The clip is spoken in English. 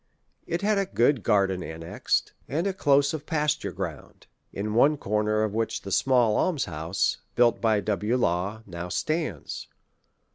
It had a good garden annexed, and a close of pasture ground ; in one corner of which the small alms house, built by W. Law, now stands.